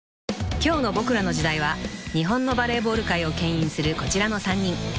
［今日の『ボクらの時代』は日本のバレーボール界をけん引するこちらの３人］